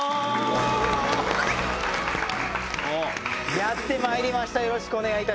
やってまいりました